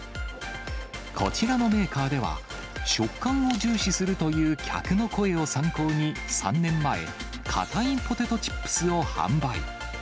こちらのメーカーでは、食感を重視するという客の声を参考に３年前、かたいポテトチップスを販売。